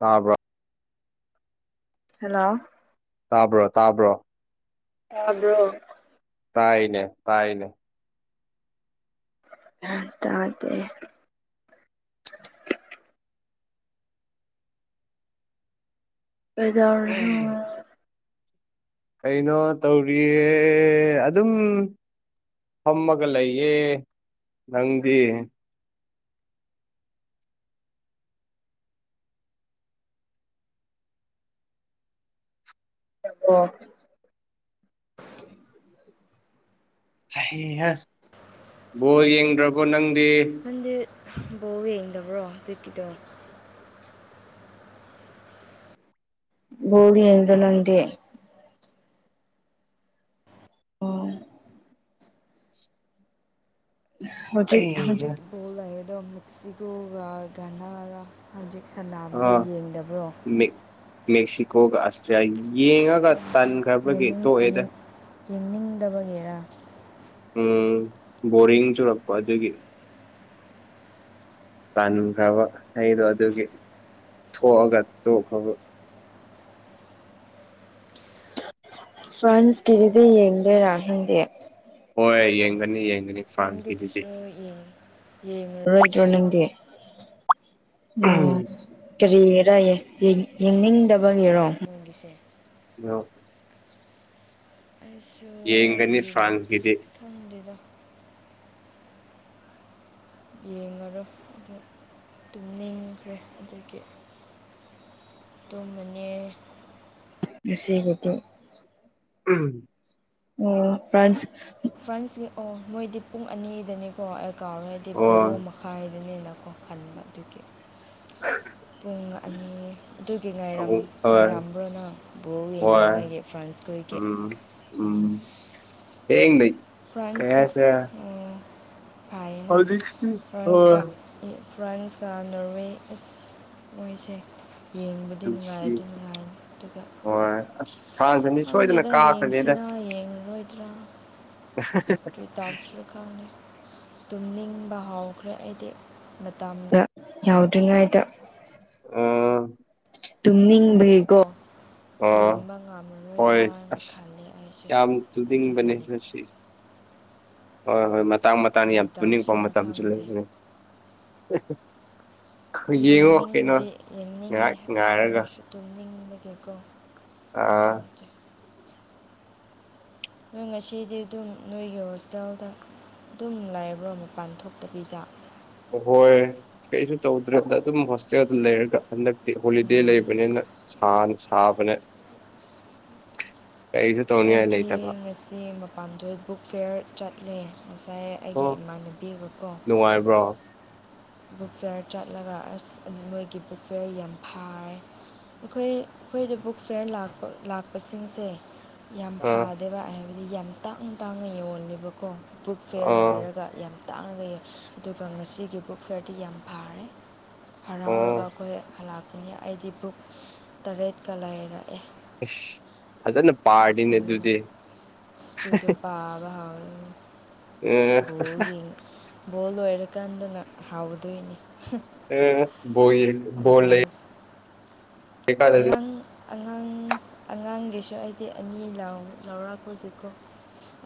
ꯇꯥꯕ꯭ꯔ ꯍꯜꯂꯣ ꯇꯥꯕ꯭ꯔꯣ ꯇꯥꯕ꯭ꯔꯣ ꯇꯥꯕ꯭ꯔꯣ ꯇꯥꯏꯅꯦ ꯇꯥꯏꯅꯦ ꯇꯧꯔꯛꯀꯦ ꯀꯩꯗꯧꯔꯤꯅꯣ ꯀꯩꯅꯣ ꯇꯧꯔꯤꯌꯦ ꯑꯗꯨꯝ ꯐꯝꯃꯒ ꯂꯩꯌꯦ ꯅꯪꯗꯤ ꯑꯣ ꯍꯩꯍꯥ ꯕꯣꯜ ꯌꯦꯡꯗ꯭ꯔꯕꯣ ꯅꯪꯗꯤ ꯅꯪꯗꯤ ꯕꯣꯜ ꯌꯦꯡꯗꯕ꯭ꯔꯣ ꯍꯧꯖꯤꯛꯀꯤꯗꯣ ꯄꯣꯜ ꯌꯦꯡꯗꯔꯣ ꯅꯪꯗꯤ ꯑꯣ ꯍꯧꯖꯤꯛ ꯍꯧꯖꯤꯛ ꯄꯣꯜ ꯂꯩ ꯑꯗꯣ ꯃꯦꯛꯁꯤꯀꯣꯔ ꯍꯧꯖꯤꯛ ꯁꯅꯥꯕꯗꯣ ꯑ ꯌꯦꯡꯗꯕ꯭ꯔꯣ ꯃꯤꯛ ꯃꯦꯛꯁꯤꯀꯣꯒ ꯑꯁꯇ꯭ꯔꯤꯌꯥ ꯌꯦꯡꯉꯒ ꯇꯟꯈ꯭ꯔꯕꯒꯤ ꯌꯦꯡꯅꯤꯡ ꯇꯣꯛꯑꯦꯗ ꯌꯦꯡ ꯌꯦꯡꯅꯤꯡꯗꯕꯒꯤꯔꯥ ꯎꯝ ꯕꯣꯔꯤꯡ ꯆꯨꯔꯛꯄ ꯑꯗꯨꯒꯤ ꯄꯥꯟꯈ꯭ꯔꯕ ꯍꯩꯗꯣ ꯑꯗꯨꯒꯤ ꯊꯣꯛꯑꯒ ꯇꯣꯛꯈ꯭ꯔꯕ ꯐ꯭ꯔꯥꯟꯁꯀꯤꯗꯨꯗ ꯌꯦꯡꯗꯦꯔꯥ ꯈꯪꯗꯦ ꯍꯣꯏ ꯌꯦꯡꯒꯅꯤ ꯌꯦꯡꯒꯅꯤ ꯐ꯭ꯔꯥꯟꯁꯀꯤꯗꯨꯗꯤ ꯅꯪꯒꯤꯗꯨꯁꯨ ꯌꯦ ꯌꯦꯡꯉꯔꯣꯏꯗ꯭ꯔꯣ ꯅꯪꯗꯦ ꯑꯣ ꯀꯔꯤꯔ ꯌꯦꯡꯅꯤꯡꯗꯕꯒꯤꯔꯣ ꯃꯣꯏꯒꯤꯁꯦ ꯌꯣ ꯑ [unintelligible] ꯌꯦꯡꯒꯅꯤ ꯐ꯭ꯔꯥꯟꯁꯒꯤꯗꯤ ꯈꯪꯗꯦꯗ ꯌꯦꯡꯉꯔꯣ ꯑꯗꯨ ꯑꯗꯨꯝ ꯅꯤꯡꯈ꯭ꯔꯦ ꯑꯗꯒꯤ [inaudible] ꯇꯨꯝꯃꯅꯤ ꯉꯁꯤꯒꯤꯗꯤ ꯎꯝ ꯑꯣ ꯐ꯭ꯔꯥꯟꯁ ꯐ꯭ꯔꯥꯟꯁ ꯑꯣ ꯃꯣꯏꯗꯤ ꯄꯨꯡ ꯑꯅꯤꯗꯅꯤꯀꯣ ꯀꯥꯎꯔꯦ ꯇꯦꯄꯕꯔꯣ ꯍꯣꯏ ꯃꯈꯥꯏꯗꯅꯦꯅꯀꯣ ꯈꯟꯕ ꯑꯗꯨꯒꯤ ꯑꯗꯨ [inaudible] ꯄꯨꯡ ꯑꯅꯤ ꯑꯗꯨꯒꯤ ꯉꯥꯏꯔ ꯑꯃꯨꯛ ꯍꯣꯏ ꯉꯥꯏꯔꯝꯕ꯭ꯔꯣꯅꯕꯨꯕꯣꯔ ꯍꯣꯏ ꯌꯦꯡꯅꯤꯡꯉꯥꯏꯒꯤ ꯐ꯭ꯔꯥꯟꯁ ꯈꯣꯏꯒꯤ ꯎꯝ ꯎꯝ ꯍ [inaudible] ꯅ ꯐ꯭ꯔꯥꯟꯁꯀ ꯀꯌꯥꯁ ꯐꯥꯏꯌꯦꯅ ꯍꯧꯖꯤꯛ ꯐ꯭ꯔꯥꯟꯁꯀ ꯇꯧꯔꯦ ꯐ꯭ꯔꯥꯟꯁꯀ ꯅꯣꯔꯋꯦ ꯑꯁ ꯃꯣꯏꯁꯦ ꯌꯦꯡꯕꯗꯤ ꯅꯨꯡꯁꯤ ꯅꯨꯡꯉꯥꯏꯕꯗꯤ ꯅꯨꯡꯉꯥꯏꯅꯤ ꯑꯗꯨꯒ ꯍꯣꯏ ꯑꯁ ꯐ꯭ꯔꯥꯟꯁ ꯑꯅꯤ ꯁꯣꯏꯗꯅ ꯈꯪꯗꯦꯗ ꯀꯥꯈ꯭ꯔꯅꯤꯗ ꯌꯦꯡꯁꯤꯔꯥ ꯌꯦꯡꯉꯔꯣꯏꯗ꯭ꯔꯥ ꯀꯔꯤꯇꯥꯎꯁꯤꯔꯥ ꯈꯪꯗ ꯇꯨꯝꯅꯤꯡꯕ ꯍꯥꯎꯈ꯭ꯔꯦ ꯑꯩꯗꯤ ꯃꯇꯝꯗ ꯌꯥꯎꯗ꯭ꯔꯤꯉꯩꯗ ꯎꯝ ꯇꯨꯝꯅꯤꯡꯕꯒꯤꯀ‌ꯣ ꯑꯥ ꯍꯣꯏ ꯑꯁ ꯈꯜꯂꯦ ꯑꯩꯁꯦ ꯌꯥꯝ ꯇꯨꯅꯤꯡꯕꯅꯦ ꯑꯗꯨꯒꯤꯅꯤ ꯉꯁꯤ ꯍꯣꯏ ꯍꯣꯏ ꯃꯇꯥꯡ ꯃꯇꯥꯡ ꯀꯔꯤ ꯌꯥꯝ ꯇꯨꯅꯤꯡꯄ ꯇꯧꯁꯤꯔꯥ ꯃꯇꯝꯁꯨ ꯈꯪꯗꯦ ꯂꯩꯕꯅꯤ [unintelligible] ꯑꯗꯨ ꯌꯦꯡꯅꯤꯡꯕꯗꯤ ꯌꯦꯡꯅꯤꯡꯉꯦ ꯑꯗꯨ ꯉꯥꯏꯔꯒ ꯑꯣꯏꯔꯁꯨ ꯇꯨꯝꯅꯤꯡꯕꯒꯤꯀꯣ ꯑ ꯅꯣꯏ ꯉꯁꯤꯗꯤ ꯑꯗꯨꯝ ꯅꯣꯏꯒꯤ ꯍꯣꯁꯇꯦꯜꯗ ꯑꯗꯨꯝ ꯂꯥꯏꯕ꯭ꯔꯣ ꯃꯄꯥꯟ ꯊꯣꯛꯇꯕꯤꯗ ꯍꯣꯏ ꯀꯩꯁꯨ ꯇꯧꯗ꯭ꯔꯦꯗ ꯑꯗꯨꯝ ꯍꯣꯁꯇꯦꯜꯗ ꯂꯩꯔꯒ ꯍꯟꯗꯛꯇꯤ ꯍꯣꯂꯤꯗꯦ ꯑꯣ ꯂꯩꯕꯅꯤꯅ ꯁꯥꯅ ꯁꯥꯕꯅ‌ꯦ ꯀꯩꯁꯨ ꯇꯧꯅꯤꯡꯉꯥꯏ ꯑꯩꯗꯤ ꯂꯩꯇꯕ ꯉꯁꯤ ꯄꯥꯟ‌ꯊ‌ꯣꯏ ꯕꯨꯛ ꯐꯤꯌꯔ ꯆꯠꯂꯦ ꯉꯁꯥꯏ ꯑꯩꯒꯤ ꯑꯣ ꯏꯃꯥꯟꯅꯕꯤꯒꯀꯣ ꯅꯨꯡꯉꯥꯏꯕ꯭ꯔꯣ ꯕꯨꯛ ꯐꯦꯌꯔ ꯆꯠꯂꯒ ꯑꯁ ꯃꯣꯏꯒꯤ ꯕꯨꯛ ꯐꯦꯌꯔ ꯌꯥꯝ ꯐꯥꯔ ꯑꯩꯈꯣꯏ ꯑꯩꯈꯣꯏꯗ ꯕꯨꯛ ꯐꯤꯌꯔ ꯂꯥꯛꯄ ꯂꯥꯛꯄꯁꯤꯡꯁꯦ ꯌꯥꯝ ꯑꯥ ꯐꯥꯗꯦꯕ ꯍꯥꯏꯕꯗꯤ ꯌꯥꯝ ꯇꯥꯡꯅ ꯇꯥꯡꯅ ꯌꯣꯜꯂꯦꯕꯀꯣ ꯕꯨꯛ ꯐꯤꯌꯔ ꯑꯥ ꯍꯥꯏꯔꯒ ꯌꯥꯝ ꯇꯥꯡꯉꯒ ꯌꯥ ꯑꯗꯨꯒ ꯉꯁꯤꯒꯤ ꯕꯨꯛ ꯐꯤꯌꯔꯗꯤ ꯌꯥꯝ ꯐꯔꯦ ꯑꯣ ꯍꯔꯥꯎꯔꯒ ꯑꯩꯈꯣꯏ ꯍꯜꯂꯥꯛꯄꯅꯤ ꯑꯩꯗꯤ ꯕꯨꯛ ꯇꯔꯦꯠꯀ ꯂꯩꯔꯛꯑꯦ ꯑꯁ ꯐꯖꯅ ꯄꯥꯔꯗꯤꯅꯦ ꯑꯗꯨ ꯑꯗꯨꯗꯤ ꯑꯗꯨꯗ ꯄꯥꯕ ꯍꯧꯔꯅꯤ ꯑꯥ ꯕꯣꯜ ꯌꯦꯡ ꯕꯣꯜ ꯂꯣꯏꯔꯀꯥꯟꯗꯅ ꯍꯥꯎꯗꯣꯏꯅꯤ ꯕ‌ꯣꯜ ꯌ‌ꯦꯡ ꯕ‌ꯣꯜ ꯑꯗꯨ ꯂꯩ ꯑꯉꯥꯡ ꯑꯉꯥꯡ ꯑꯉꯥꯡꯒꯤꯁꯨ ꯍꯥꯏꯗꯤ ꯑꯅꯤ ꯂꯥꯎ ꯂꯧꯔꯛꯄꯒꯤꯀꯣ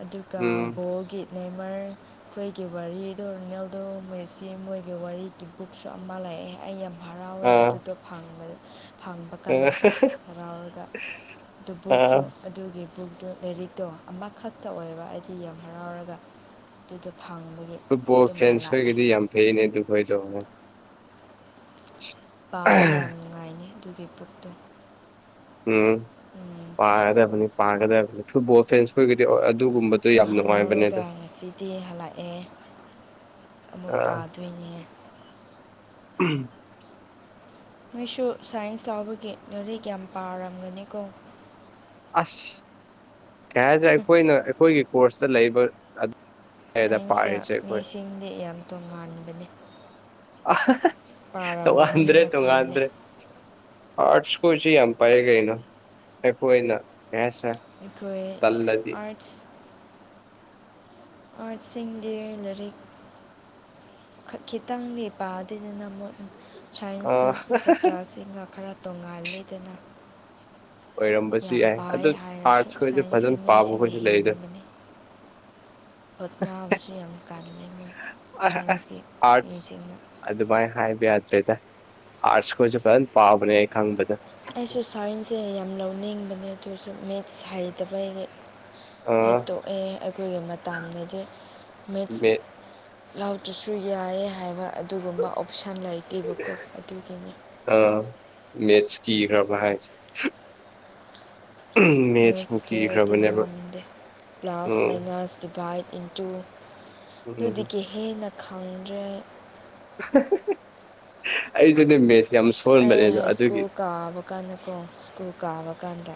ꯑꯗꯨꯒ ꯎꯝ ꯕꯣꯜꯒꯤ ꯅꯦꯃꯔ ꯃꯈꯣꯏꯒꯤ ꯋꯥꯔꯤꯗꯣ ꯔꯤꯅꯦꯜꯗ‌ꯣ ꯃ‌ꯦꯁꯤ ꯃꯣꯏꯒꯤ ꯋꯥꯔꯤꯒꯤ ꯕꯨꯛꯁꯨ ꯑꯃ ꯂꯩꯑꯦ ꯑꯩ ꯌꯥꯝ ꯍꯔꯥꯎꯋꯦ ꯑꯥ ꯑꯗꯨꯗꯣ ꯐꯪꯕꯗ ꯐꯪꯕ ꯀꯥꯟꯗ ꯑꯁ ꯍꯔꯥꯎꯔꯒ ꯗꯨ ꯑꯥ ꯕꯨꯛꯁꯨ ꯑꯗꯨꯒꯤ ꯕꯨꯛꯇꯣ ꯂꯥꯏꯔꯤꯛꯇꯣ ꯑꯃꯈꯛꯇ ꯑꯣꯏꯕ ꯑꯩꯗꯤ ꯌꯥꯝ ꯍꯔꯥꯎꯔꯒ ꯑꯗꯨꯗꯣ ꯐꯪꯕꯒꯤ ꯐꯨꯠꯕꯣꯜ ꯑꯗꯨꯝ ꯐꯦꯟꯁ ꯍꯜꯂꯛꯑꯦ ꯈꯣꯏꯒꯤꯗꯤ ꯌꯥꯝ ꯐꯩꯅꯦ ꯑꯗꯨ ꯈꯣꯏꯗ‌ꯣ ꯄꯥꯕ ꯌꯥꯝ ꯅꯨꯡꯉꯥꯏꯅꯦ ꯑꯗꯨꯒꯤ ꯕꯨꯛꯇꯣ ꯎꯝ ꯎꯝ꯫ ꯄꯥꯒꯗꯕꯅꯤ ꯄꯥꯒꯗꯕꯅꯤ ꯐꯨꯠꯕꯣꯜ ꯐꯦꯟꯁ ꯈꯣꯏꯒꯤꯗꯤ ꯑꯗꯨꯒꯨꯝꯕꯗ‌ꯣ ꯑꯗꯨ ꯍꯔꯥꯎꯔꯒ ꯉꯁꯤꯗꯤ ꯍꯜꯂꯛꯑꯦ ꯑꯃꯨꯛ ꯑꯥ ꯄꯥꯗꯣꯏꯅꯦ ꯎꯝ ꯅꯣꯏꯁꯨ ꯁꯥꯏꯟꯁ ꯂꯥꯎꯕꯒꯤ ꯂꯥꯏꯔꯤꯛ ꯌꯥꯝ ꯄꯥꯔꯝꯒꯅꯤꯀꯣ ꯑꯁ ꯀꯩ ꯍꯥꯏꯗꯥꯔꯦ ꯑꯩꯈꯣꯏꯅ ꯑꯩꯈꯣꯏꯒꯤ ꯀꯣꯔꯁꯇ ꯂꯩꯕ ꯂꯥꯏꯔꯤꯛꯗ ꯁꯥꯏꯟꯁꯀ ꯄꯥꯔꯤꯁꯦ ꯑꯩꯈꯣꯏ ꯃꯤꯁꯤꯡꯗꯤ ꯌꯥꯝ ꯇꯣꯉꯥꯟꯕꯅꯤ ꯇ‌ꯣꯉꯥꯟꯗ꯭ꯔꯦ ꯄꯥꯔꯝꯒꯅꯤꯅ ꯈꯜꯂꯦ ꯇ‌ꯣꯉꯥꯟꯗ꯭ꯔꯦ ꯑꯥꯔꯠꯁ ꯈ‌ꯣꯏꯁꯨ ꯌꯥꯝ ꯄꯥꯏ ꯀꯩꯅꯣ ꯑꯩꯈꯣꯏꯅ [unintelligible] ꯑꯩꯈꯣꯏ ꯇꯜꯂꯗꯤ ꯑꯥꯔꯠꯁ ꯑꯥꯔꯠꯁ ꯁꯤꯡꯗꯤ ꯂꯥꯏꯔꯤꯛ ꯈ ꯈꯤꯇꯪꯗꯤ ꯄꯗꯨꯏꯅꯤꯅ ꯃ‌ꯣꯏ ꯑ ꯁꯥꯏꯟꯁꯀ ꯁꯥꯇ꯭ꯔꯁꯤꯡꯒ ꯈꯔ ꯇꯣꯡꯉꯥꯜꯂꯦꯗꯅ ꯑꯣꯏꯔꯝꯕꯁꯨ ꯌꯥꯏ ꯄꯥꯏ ꯑꯗꯨ ꯍꯥꯏꯔꯁꯨ ꯑꯥꯔꯠꯁ ꯈꯣꯏꯁꯨ ꯁꯥꯏꯟꯁꯀꯤ ꯐꯖꯅ ꯄꯥꯕ ꯃꯤꯁꯤꯡꯅ ꯈꯣꯏꯁꯨ ꯂꯩꯗ ꯍ‌ꯣꯠꯅꯥꯕꯁꯨ ꯌꯥꯝ ꯀꯜꯂꯦ ꯃꯣꯏ ꯁꯥꯏꯟꯁꯀꯤ ꯑꯥꯔꯠꯁ ꯃꯤꯁꯤꯡꯅ ꯑꯗꯨꯃꯥꯏꯅ ꯍꯥꯏꯕ ꯌꯥꯗ꯭ꯔꯦꯗ ꯑꯥꯔꯠꯁ ꯈꯣꯏꯁꯨ ꯐꯖꯅ ꯄꯥꯕꯅꯦ ꯑꯩ ꯈꯪꯕꯗ ꯑꯩꯁꯨ ꯁꯥꯏꯟꯁꯁꯦ ꯌꯥꯝ ꯂꯧꯅꯤꯡꯕꯅꯦ ꯑꯗꯨꯁꯨ ꯃꯦꯠꯁ ꯍꯩꯇꯕꯒꯤ ꯑ ꯍꯥꯏ ꯇꯣꯛꯑꯦ ꯑꯩꯈꯣꯏꯒꯤ ꯃꯇꯝꯗꯗꯤ ꯃꯤꯠꯁ ꯃꯦ ꯂꯥꯎꯗ꯭ꯔꯁꯨ ꯌꯥꯏꯌꯦ ꯍꯥꯏꯕ ꯑꯗꯨꯒꯨꯝꯕ ꯑꯣꯞꯁꯟ ꯂꯩꯇꯦꯕꯀꯣ ꯑꯗꯨꯒꯤꯅꯦ ꯑꯥ ꯃꯦꯠꯁ ꯀꯤꯈ꯭ꯔꯕ ꯍꯥꯏꯁꯦ ꯃꯦꯠꯁꯄꯨ ꯃꯦꯠꯁ ꯗꯦ ꯑꯩꯗꯤ ꯀꯤꯈ꯭ꯔꯕꯅꯦꯕ ꯉꯥꯝꯗꯦ ꯄꯥꯂꯁ ꯎꯝ ꯃꯥꯢꯅꯥꯁ ꯗꯤꯚꯥꯏꯠ ꯏꯟꯇꯨ ꯎꯝ ꯑꯗꯨꯗꯤꯗꯒꯤ ꯍꯦꯟꯅ ꯈꯪꯗ꯭ꯔꯦ ꯑꯩ ꯆꯅꯦ ꯃꯦꯁ [inaudible] ꯑꯩ ꯁ꯭ꯀꯨꯜ ꯀꯥꯕ ꯀꯥꯟꯗꯀꯣ ꯁ꯭ꯀꯨꯜ ꯀꯥꯕ ꯀꯥꯟꯗ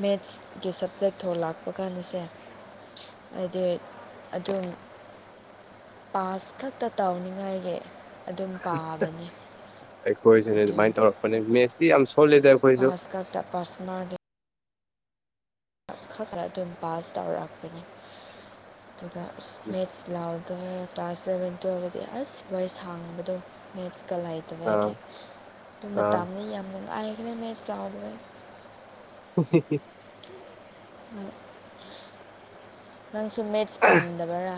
ꯃꯦꯠꯁꯀꯤ ꯁꯞꯖꯦꯛ ꯊꯣ ꯂꯥꯛꯄ ꯀꯥꯟꯗꯁꯦ ꯍꯥꯏꯗꯤ ꯑꯗꯨꯝ ꯄꯥꯁ ꯈꯛꯇ ꯇꯧꯅꯤꯉꯥꯏꯒꯤ ꯑꯗꯨꯝ ꯄꯥꯕꯅꯤ ꯑꯩꯈꯣꯏꯁꯤꯅꯦ ꯑꯗꯨ ꯑꯗꯨꯃꯥꯏꯅ ꯇꯧꯔꯛꯄꯅꯦ ꯃꯦꯠꯁꯇꯤ ꯌꯥꯝ ꯁꯣꯜꯂꯦꯗ ꯑꯩꯈꯣꯏꯁꯨ ꯄꯥꯁ ꯀꯥꯛꯇꯥ ꯄꯥꯁ ꯃꯥꯛ ꯈꯛꯇ ꯑꯗꯨꯝ ꯄꯥꯁ ꯇꯧꯔꯛꯄꯅꯤ ꯑꯗꯨꯒ ꯏꯁꯃꯤꯠꯁ ꯂꯥꯎꯟ ꯑꯗꯣ ꯀ꯭ꯂꯥꯁ ꯏꯂꯚꯦꯟ ꯇꯨꯌꯦꯜꯐꯇꯗꯤ ꯑꯁ ꯚꯣꯏꯁ ꯍꯥꯡꯕꯗꯣ ꯅꯦꯠꯁꯀ ꯂꯥꯏ ꯑꯥ ꯑꯗꯨꯒꯤ ꯑꯗꯨ ꯑꯥ ꯃꯇꯥꯅ ꯌꯥꯝ ꯅꯨꯡꯉꯥꯏꯔꯈꯅ ꯃꯦꯠꯆ ꯂꯥꯎꯕꯗ ꯍꯤ ꯍꯤ ꯎꯝ ꯅꯪꯁꯨ ꯃꯦꯠꯁ ꯄꯥꯝꯗꯕꯔꯥ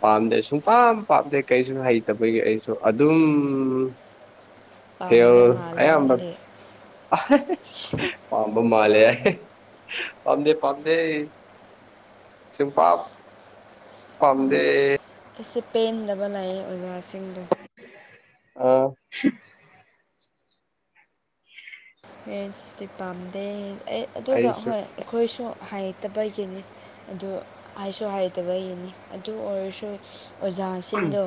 ꯄꯥꯝꯗꯦ ꯁꯨꯡ ꯄꯝ ꯄꯥꯝꯗꯦ ꯀꯩꯁꯨ ꯍꯩꯇꯕꯒꯤ ꯑꯩꯁꯨ ꯑꯗꯨꯝ ꯄꯥꯝꯕ ꯐꯦꯟ ꯃꯥꯜꯂꯦ ꯑꯌꯥꯝꯕ ꯅꯪꯗꯤ ꯄꯥꯝꯕ ꯃꯥꯂꯦ ꯄꯝꯗꯦ ꯄꯝꯗꯦ ꯄꯥꯛ ꯄꯥꯝꯗꯦ ꯑꯁꯤꯁ ꯄꯦꯟꯗꯕ ꯂꯥꯛꯏꯌꯦꯦ ꯑꯣꯖꯥꯁꯤꯡꯗꯣ ꯑꯥ ꯎ [inaudible] ꯄꯦꯟꯁꯇꯤ ꯄꯥꯝꯗꯦ ꯑꯦ ꯑꯗꯨꯒ ꯑꯩꯁꯨ ꯍꯣꯏ ꯑꯩꯈꯣꯏꯁꯨ ꯍꯥꯏꯇꯕꯒꯤꯅꯤ ꯑꯗꯨ ꯍꯥꯏꯁꯨ ꯍꯥꯏꯗꯕ ꯌꯦꯅꯤ ꯑꯗꯨ ꯑꯣꯏꯔꯁꯨ ꯑꯣꯖꯥꯁꯤꯡꯗꯣ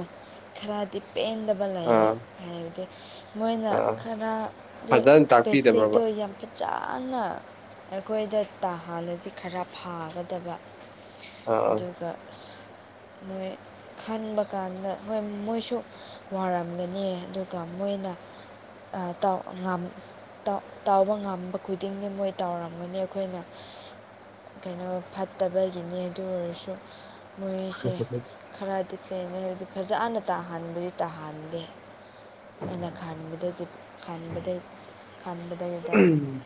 ꯈꯔꯗꯤ ꯄꯦꯟꯗꯕ ꯂꯩ ꯑꯥ ꯍꯥꯏꯕꯗꯤ ꯃꯣꯏꯅ ꯑꯥ ꯈꯔꯗꯨ ꯐꯖꯅ ꯇꯥꯛꯄꯤꯗꯕ꯭ꯔꯕ ꯕꯦꯁꯤꯛꯇꯣ ꯌꯥꯝ ꯐꯖꯅ ꯑꯩꯈꯣꯏꯗ ꯇꯥꯍꯥꯟꯜꯅꯗꯤ ꯈꯔ ꯐꯥꯒꯗꯕ ꯑꯥ ꯑꯥ ꯑꯗꯨꯒ ꯃꯣꯏ ꯈꯟꯕ ꯀꯥꯟꯗ ꯍꯣꯏ ꯃꯣꯏꯁꯨ ꯋꯥꯔꯝꯒꯅꯤ ꯑꯗꯨꯒ ꯃꯣꯏꯅ ꯇꯥꯎꯕ ꯉꯝꯕ ꯈꯨꯗꯤꯡꯗꯤ ꯃꯣꯏ ꯇꯥꯎꯔꯝꯒꯅꯤ ꯑꯩꯈꯣꯏꯅ ꯀꯩꯅꯣ ꯐꯠꯇꯕꯒꯤꯅꯤ ꯑꯗꯨ ꯑꯣꯏꯔꯁꯨ ꯃꯣꯏꯁꯦ ꯈꯔꯗꯤ ꯀꯦꯅꯩ ꯍꯥꯏꯕꯗꯤ ꯐꯖꯅ ꯇꯥꯍꯟꯕꯗꯤ ꯇꯥꯍꯟꯗꯦ ꯑꯩꯅ ꯈꯗ ꯈꯗ ꯈꯚ [inaudible] ꯎꯝ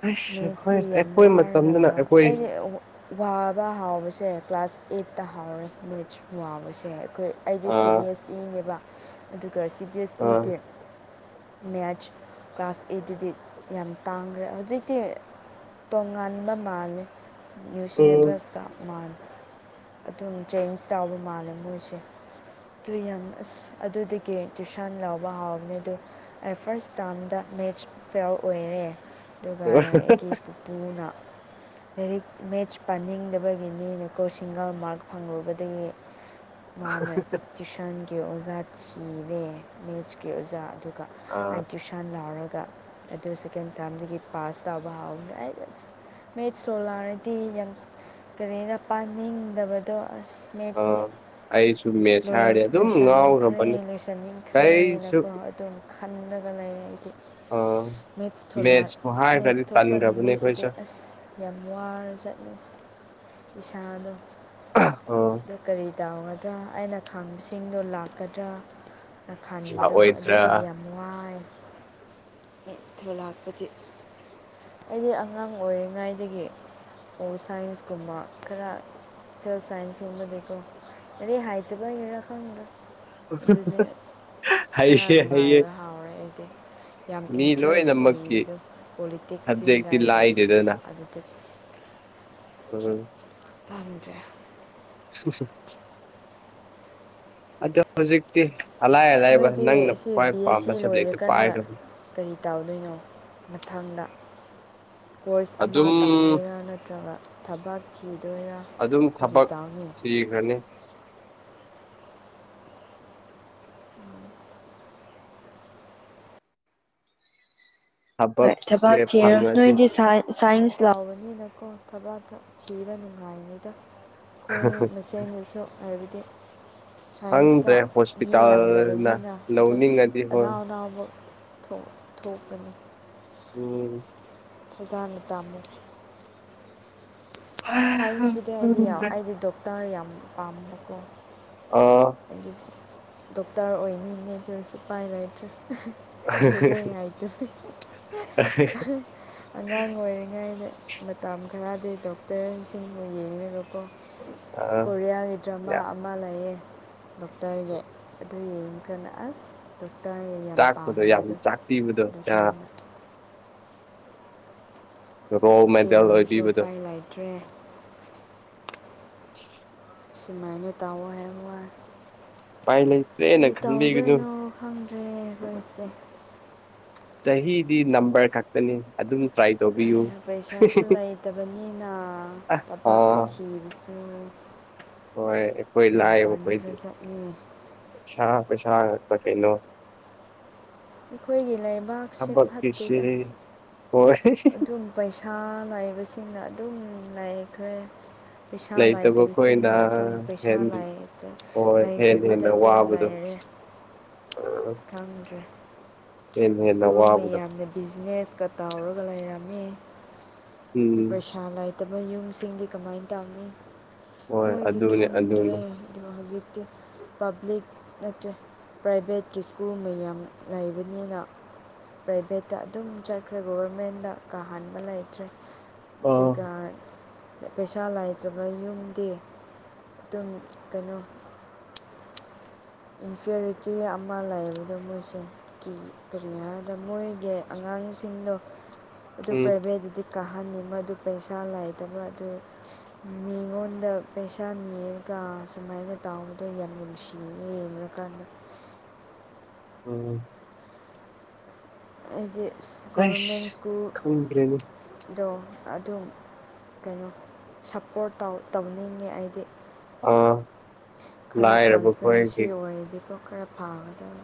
ꯑꯁ ꯏꯁꯃꯦꯠꯁꯤ ꯑꯩꯈꯣꯏ ꯌꯥꯝ ꯑꯩꯈꯣꯏ ꯋꯥꯔꯒ ꯃꯇꯝꯗꯅ ꯂꯥꯎꯔ ꯑꯩꯈꯣꯏ ꯑꯩꯗꯤ ꯋꯥꯕ ꯍꯥꯎꯕꯁꯦ ꯀ꯭ꯂꯥꯁ ꯑꯩꯠꯇ ꯍꯥꯎꯔꯦ ꯃꯦꯠꯁ ꯋꯥꯕꯁꯦ ꯑꯩꯈꯣꯏ ꯑꯩꯗꯤ ꯁꯤ ꯑꯥ ꯕꯤ ꯑꯦꯁ ꯏꯅꯦꯦꯕ ꯑꯗꯨꯒ ꯁꯤ ꯕꯤ ꯑꯦꯁ ꯑꯥ ꯏꯒꯦ ꯃꯦꯠꯆ ꯀ꯭ꯂꯥꯁ ꯑꯩꯠꯇꯗꯤ ꯌꯥꯝ ꯇꯥꯡꯈ꯭ꯔꯦ ꯍꯧꯖꯤꯛꯇꯤ ꯇꯣꯉꯥꯟꯕ ꯃꯥꯜꯂꯦ ꯅ꯭ꯌꯨ ꯎꯝ ꯁꯤꯂꯦꯕꯁꯀ ꯃꯥꯜ ꯑꯗꯨꯝ ꯆꯦꯟꯖ ꯆꯥꯎꯕ ꯃꯥꯜꯂꯦ ꯃꯣꯏꯁꯦ ꯑꯗꯨ ꯌꯥꯝ ꯑꯁ ꯑꯗꯨꯗꯒꯤ ꯇꯨꯁꯥꯟ ꯂꯧꯕ ꯍꯥꯎꯕꯅꯦ ꯑꯗꯨ ꯑꯩ ꯐꯥꯔꯁ ꯇꯥꯝꯗ ꯃꯦꯠꯆ ꯐꯦꯜ ꯑꯣꯏꯔꯦ ꯑꯗꯨꯒ ꯑꯩꯒꯤ ꯄꯨꯅ ꯂꯥꯏꯔꯤꯛ ꯃꯦꯠꯆ ꯄꯥꯅꯤꯡꯗꯕꯒꯤꯅꯤꯅꯀꯣ ꯁꯤꯡꯒꯜ ꯃꯥꯔꯛ ꯐꯪꯂꯨꯕꯗꯒꯤ [unintelligible] ꯃꯥꯅ ꯇ꯭ꯋꯨꯤꯁꯟꯒꯤ ꯑꯣꯖꯥ ꯊꯤꯔꯦ ꯃꯦꯠꯁꯀꯤ ꯑꯣꯖꯥ ꯑꯗꯨꯒ ꯑꯥ ꯑ ꯇ꯭ꯨꯁꯟ ꯂꯥꯎꯔꯒ ꯑꯗꯨ ꯁꯦꯀꯦꯟ ꯇꯥꯔꯝꯗꯒꯤ ꯄꯥꯁ ꯇꯧꯕ ꯍꯧꯈꯔꯦ ꯑꯩ ꯃꯦꯠ ꯁꯣꯂꯥꯔꯗꯤ ꯌꯥꯝ ꯀꯔꯤꯅ ꯄꯥꯅꯤꯡꯗꯕꯗꯣ ꯑꯁ ꯃꯦꯞꯁꯁꯦ ꯑꯥ ꯑꯩꯁꯨ ꯃꯦꯠꯁ ꯍꯥꯏꯔꯗꯤ ꯑꯗꯨꯝ ꯂꯣꯏꯁꯟꯅꯤꯡꯈ꯭ꯔꯦ ꯉꯥꯎꯈ꯭ꯔꯕꯅꯤ ꯀꯩꯁꯨ ꯂꯣꯏꯁꯟꯅꯤꯡꯈ꯭ꯔꯦꯅꯀꯣ ꯑꯗꯨꯝ ꯈꯔ ꯂꯒ ꯂꯩ ꯏꯗꯤ ꯑꯥ ꯃꯦꯁꯇ ꯑꯍꯥꯟ ꯃꯦꯁꯇ ꯊꯣꯛꯄ ꯅꯨꯃꯤꯠꯇꯨꯗꯤ ꯑꯁ ꯌꯥꯝ ꯋꯥꯔ ꯆꯠꯂꯦ ꯄꯩꯁꯥꯗꯣ ꯑꯥ ꯑꯗꯨ ꯀꯔꯤ ꯇꯧꯒꯗ꯭ꯔꯥ ꯑꯩꯅ ꯈꯥꯡꯕꯁꯤꯡꯗꯣ ꯂꯥꯛꯀꯗ꯭ꯔꯥ ꯅ ꯈꯟꯕꯗꯣ ꯂꯥꯛꯑꯣꯏꯗ꯭ꯔꯥ ꯑꯗꯨꯒꯤ ꯌꯥꯝ ꯋꯥꯏ ꯊꯨ ꯂꯥꯛꯄꯗꯤ ꯑꯩꯗꯤ ꯑꯉꯥꯡ ꯑꯣꯏꯔꯤꯉꯩꯗꯒꯤ ꯑꯣ ꯁꯥꯏꯟꯁꯀꯨꯝꯕ ꯈꯔ ꯁꯥꯏꯟꯁ ꯃꯕꯗꯣ ꯑ ꯍꯥꯏꯇꯕꯥꯔ ꯈꯪꯗꯔꯦ ꯑꯗꯨꯗꯤ ꯈꯔ ꯍꯩꯌꯦ ꯍꯩꯌꯦ ꯅꯨꯡꯉꯥꯏꯕ ꯍꯥꯎꯔꯦ ꯑꯩꯗꯤ ꯌꯥꯝ ꯃꯤ ꯏꯟꯇꯔꯦꯁ ꯂꯣꯏꯅꯃꯛꯀꯤ ꯑꯣꯏꯕꯗꯣ ꯄꯣꯂꯤꯇꯤꯛꯁ ꯁꯕꯖꯦꯛꯇꯤ ꯏꯗꯏꯗ ꯂꯥꯏꯗꯦꯗꯅ ꯑꯗꯨꯗꯤ ꯎꯝ ꯀꯥꯔꯨꯗ꯭ꯔꯦ [unintelligible] ꯑꯗ ꯍꯧꯖꯤꯛꯇꯤ ꯑꯂꯥꯏ ꯑꯂꯥꯏꯕ ꯅꯪꯅ ꯅꯣꯏꯗꯤ ꯁꯤ ꯈ꯭ꯋꯥꯏ ꯕꯤ ꯄꯥꯝꯕ ꯑꯦꯁ ꯁꯤ ꯁꯕꯖꯦꯛꯇꯨ ꯂꯣꯏꯔꯀꯥꯟꯗ ꯄꯥꯏꯈ꯭ꯔꯕ ꯀꯔꯤ ꯇꯧꯗꯣꯏꯅꯣ ꯃꯊꯪꯗ ꯀꯣꯔꯁ ꯑꯃ ꯑꯗꯨꯝ ꯇꯝꯗꯣꯏꯔꯥ ꯅꯠꯇ꯭ꯔꯒ ꯊꯕꯛ ꯊꯤꯗꯣꯏꯔꯥ ꯀꯔꯤꯇꯥꯅꯤ ꯊꯤꯈꯔꯅꯤ [unintelligible] ꯍꯣꯏ ꯊꯕꯛꯁꯦ ꯊꯕꯛ ꯊꯤꯔꯣ ꯐꯪꯉꯗꯤ ꯅꯣꯏꯗꯤ ꯁꯥꯏ ꯁꯥꯏꯟꯁ ꯂꯥꯎꯕꯅꯤꯅꯀꯣ ꯊꯕꯥꯛꯇ ꯊꯤꯕ ꯅꯨꯡꯉꯥꯏꯅꯤꯗ ꯑꯩꯈꯣꯏ ꯆꯦꯡꯗꯁꯨ ꯍꯥꯏꯕꯗꯤ ꯁꯥꯏꯟꯁꯇ ꯈꯪꯗ꯭ꯔꯦ ꯃꯤ ꯍꯣꯁꯄꯤꯇꯥꯜꯅ ꯌꯥꯝꯗꯕꯅꯤꯅ ꯑꯗꯨꯝ ꯂꯧꯅꯤꯡꯉꯗꯤ ꯍꯣꯏ ꯑꯅꯥꯎ ꯑꯅꯥꯎꯕ ꯊꯣꯛꯄꯅꯤ ꯎꯝ ꯐꯖꯥꯟꯨ ꯇꯥꯃꯠ ꯁꯥꯏꯟꯁꯄꯨꯗꯤ ꯑꯩꯗꯤ ꯌꯥꯎ ꯈꯪꯗ꯭ꯔꯦ ꯑꯩꯗꯤ ꯗꯣꯛꯇꯔ ꯌꯥꯝ ꯄꯥꯝꯕꯀꯣ ꯑ ꯍꯥꯏꯗꯤ ꯗꯣꯛꯇꯔ ꯑꯣꯏꯅꯤꯡꯉꯗꯔꯁꯨꯄꯥꯏ ꯂꯩꯇ꯭ꯔꯦ ꯗ꯭ꯔꯥꯏꯇꯔ ꯑꯉꯥꯡ ꯑꯣꯏꯔꯤꯉꯩꯗ ꯃꯇꯝ ꯈꯔꯗꯤ ꯗꯣꯛꯇꯔꯁꯤꯡꯕꯨ ꯌꯦꯡꯂꯡꯒꯀꯣ ꯑꯥ ꯀꯣꯔꯤꯌꯥꯒꯤ ꯗ꯭ꯔꯃꯥ ꯑꯃ ꯂꯩꯌꯦ ꯗꯣꯛꯇꯔꯒꯤ ꯑꯗꯨ ꯌꯦꯡ ꯀꯟꯅ ꯑꯁ ꯗꯣꯛꯇꯔ ꯌꯥꯝ ꯆꯥꯛꯄꯗꯣ ꯌꯥꯝ ꯄꯥꯝꯕꯗꯣ ꯆꯥꯛꯄꯤꯕꯗꯣ ꯑꯗꯨꯀꯥꯟꯗ ꯔꯣꯜ ꯇꯨ ꯃꯦꯗꯜ ꯑꯣꯏꯅꯁꯨ ꯑꯣꯏꯕꯤꯕꯗꯣ ꯎꯄꯥꯏ ꯂꯩꯇ꯭ꯔꯦ [unintelligible] ꯁꯤ ꯃꯅꯦ ꯇꯥꯎꯕ ꯍꯥꯏ ꯍ ꯎꯄꯥꯏ ꯂꯩꯇ꯭ꯔꯦꯅ ꯈꯟꯕꯤꯒꯅꯨ ꯇꯧꯗꯣꯏꯅꯣ ꯈꯪꯗ꯭ꯔꯦ ꯊꯧꯔꯤꯁꯦ ꯆꯍꯤꯗꯤ ꯅꯝꯕꯔ ꯈꯛ ꯄꯩꯁꯥꯁꯨ ꯂꯩꯇꯕꯅꯤꯅ ꯑ ꯊꯕꯛꯀ ꯑꯥ ꯊꯤꯕꯁꯨ ꯎꯝ ꯍꯣꯏ ꯑꯩꯈꯣꯏ ꯂꯥꯛꯑꯦꯕ ꯑꯩꯈꯣꯏꯗꯤ ꯄꯩꯁꯥ ꯄꯩꯁꯥ ꯉꯥꯛꯇ ꯀꯩꯅꯣ ꯑꯩꯈꯣꯏꯒꯤ ꯂꯩꯕꯥꯛꯁꯤꯦ ꯊꯕꯛꯀꯤꯁꯦ ꯐꯠꯇꯦꯗ ꯍꯣꯏ ꯑꯗꯨꯝ ꯄꯩꯁꯥ ꯉꯥꯏꯕꯁꯤꯡꯅ ꯑꯗꯨꯝ ꯂꯥꯏꯈ꯭ꯔꯦ ꯄꯩꯁꯥ ꯂꯩꯇꯕ ꯈꯣꯏꯅ ꯂꯥꯏꯗꯕꯁꯤꯡꯅ ꯑꯗꯨꯝ ꯄꯩꯁꯥ ꯍꯦꯟ ꯍꯣꯏ ꯍꯦꯟꯅ ꯂꯩꯥꯏꯇ꯭ꯔꯕꯤꯗ ꯍꯦꯟꯅ ꯑꯗꯨꯝ ꯋꯥꯕꯗꯣ ꯂꯩꯥꯏꯔꯦ ꯈꯪꯗ꯭ꯔꯦ ꯍꯦꯟꯅ ꯍꯦꯟꯅ ꯁ꯭ꯀꯨꯜ ꯋꯥꯕꯗꯣ ꯃꯌꯥꯝꯅ ꯕꯤꯖꯤꯅꯦꯁꯀ ꯇꯥꯎꯔꯒ ꯂꯩꯔꯝꯃꯤ ꯑꯗꯨ ꯎꯝ ꯄꯩꯁꯥ ꯅꯥꯏꯇꯕ ꯌꯨꯝꯁꯤꯡꯗꯤ ꯀꯃꯥꯏꯅ ꯇꯧꯅꯤ ꯍꯣꯏ ꯃꯣꯏꯒꯤ ꯑꯗꯨꯅꯦ ꯑꯗꯨꯅꯦ ꯈꯟꯗ꯭ꯔꯦꯗ ꯍꯧꯖꯤꯛꯇꯤ ꯄꯕ꯭ꯂꯤꯛ ꯅꯠꯇ꯭ꯔꯦ ꯄ꯭ꯔꯥꯏꯚꯦꯠꯀꯤ ꯁ꯭ꯀꯨꯜ ꯃꯌꯥꯝ ꯂꯩꯕꯅꯤꯅ ꯄ꯭ꯔꯥꯏꯚꯦꯠꯇ ꯑꯗꯨꯝ ꯆꯠꯈ꯭ꯔꯦ ꯒꯣꯕꯔꯃꯦꯟꯗ ꯀꯥꯍꯟꯕ ꯂꯩꯇ꯭ꯔꯦ ꯑꯥ ꯨꯑꯗꯨꯒ ꯄꯩꯁꯥ ꯂꯩꯇꯕ ꯌꯨꯝꯗꯤ ꯑꯗꯨꯝ ꯀꯩꯅꯣ [unintelligible] ꯏꯟꯐꯤꯌꯔꯤꯇꯤ ꯑꯃ ꯂꯩꯌꯦꯕꯗꯣ ꯃꯣꯏꯁꯦ ꯀꯔꯤꯅ ꯍꯥꯏꯗ ꯃꯣꯏꯒꯤ ꯑꯉꯥꯡꯁꯤꯡꯗꯣ ꯑꯗꯨ ꯎꯝ ꯄ꯭ꯔꯥꯏꯚꯦꯠꯇꯗꯤ ꯐꯍꯟꯅꯤꯡꯕ ꯑꯗꯨ ꯄꯩꯁꯥ ꯂꯥꯏꯗꯕ ꯑꯗꯨ ꯃꯤꯉꯣꯟꯗ ꯄꯩꯁꯥ ꯌꯦꯡꯉꯒ ꯁꯨꯃꯥꯏꯅ ꯇꯥꯎꯕꯗꯣ ꯌꯥꯝ ꯅꯨꯡꯁꯤ ꯑꯩꯕꯀꯥꯟꯅ [inaudible] ꯎꯝ ꯍꯥꯏꯗꯤ ꯒꯣꯕꯔꯃꯦꯟ ꯑꯩꯁ ꯁ꯭ꯀꯨꯜ ꯈꯪꯗ꯭ꯔꯦꯅꯦ ꯑꯗꯣ ꯑꯗꯨꯝ ꯀꯩꯅꯣ ꯁꯞꯄꯣꯔꯠ ꯇꯧꯅꯤꯡꯗꯦ ꯑꯩꯗꯤ ꯑꯥ ꯈꯔ ꯂꯥꯏꯔꯕ ꯇ꯭ꯔꯥꯟꯁꯄꯦꯔꯦꯟꯁꯤ ꯈꯣꯏꯒꯤ ꯑꯣꯏꯔꯗꯤꯀꯣ ꯈꯔ ꯐꯥꯒꯗꯕ